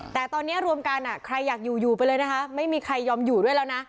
แต่ตอนนี้รวมกันใครอยากอยู่อยู่ไปเลยนะคะไม่มีใครยอมอยู่ด้วยแล้วนะ